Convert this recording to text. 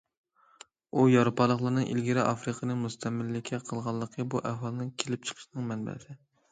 ئۇ: ياۋروپالىقلارنىڭ ئىلگىرى ئافرىقىنى مۇستەملىكە قىلغانلىقى بۇ ئەھۋالنىڭ كېلىپ چىقىشىنىڭ مەنبەسى.